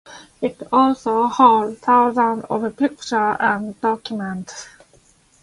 It also holds thousands of pictures and documents.